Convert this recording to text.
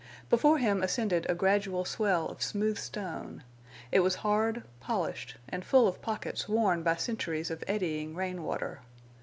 Before him ascended a gradual swell of smooth stone. It was hard, polished, and full of pockets worn by centuries of eddying rain water.